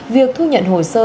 việc thu nhận hồi sơ